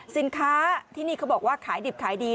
สินค้าที่นี่เขาบอกว่าขายดิบขายดี